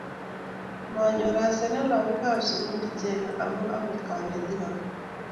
Manyor asenet lagokab sukul ichegei ako akot konetik kora